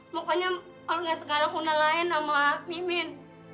pokoknya olga sekarang kena lain sama mimin